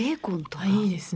あいいですね。